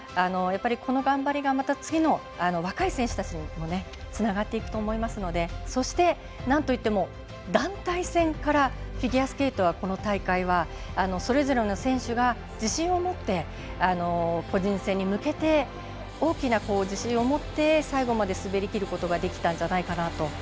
やっぱり、この頑張りが次の若い選手たちにもつながっていくと思いますのでそして、なんといっても団体戦からフィギュアスケートはこの大会は、それぞれの選手が自信を持って、個人戦に向けて大きな自信を持って最後まで滑りきることができたんじゃないかなと。